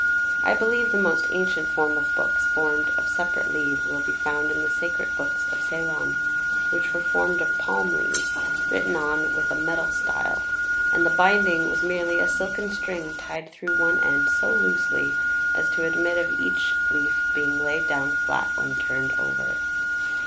I believe the most ancient form of books |xii| formed of separate leaves, will be found in the sacred books of Ceylon which were formed of palm leaves, written on with a metal style, and the binding was merely a silken string tied through one end so loosely as to admit of each leaf being laid down flat when turned over.